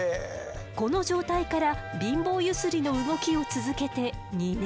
この状態から貧乏ゆすりの動きを続けて２年後。